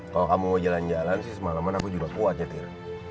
kalau kamu mau jalan jalan sih semalaman aku juga khawatir ya